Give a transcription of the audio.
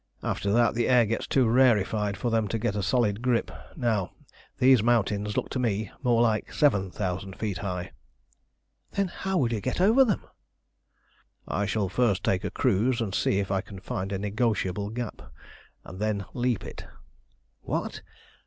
After that the air gets too rarefied for them to get a solid grip. Now, these mountains look to me more like seven thousand feet high." "Then how will you get over them?" "I shall first take a cruise and see if I can find a negotiable gap, and then leap it." "What!